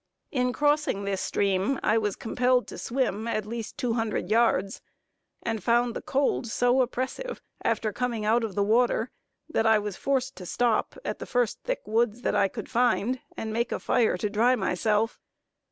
In crossing this stream I was compelled to swim at least two hundred yards; and found the cold so oppressive, after coming out of the water, that I was forced to stop at the first thick woods that I could find and make a fire to dry myself.